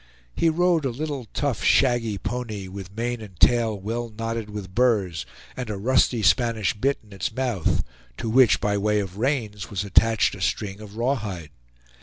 He rode a little tough shaggy pony, with mane and tail well knotted with burrs, and a rusty Spanish bit in its mouth, to which, by way of reins, was attached a string of raw hide.